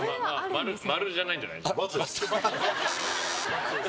○じゃないんじゃない？×。